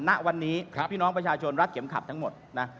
ณวันนี้พี่น้องประชาชนรักเข็มขัดทั้งหมดนะ